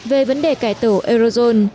về vấn đề cải tổ eurozone